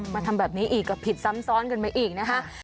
มาทำแบบนี้อีกก็ผิดซ้ำซ้อนกันไปอีกนะคะ